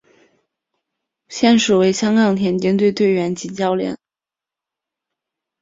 现时为香港田径队队员及教练。